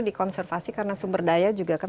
dikonservasi karena sumber daya juga kan